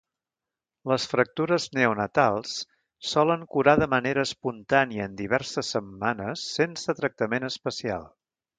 Les fractures neonatals solen curar de manera espontània en diverses setmanes sense tractament especial.